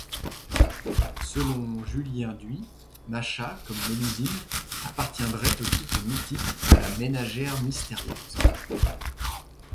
Selon Julien d'Huy, Macha, comme Mélusine, appartiendrait au type mythique de la ménagère mystérieuse.